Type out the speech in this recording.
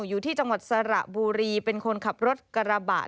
อยู่ที่จังหวัดสระบุรีเป็นคนขับรถกระบะ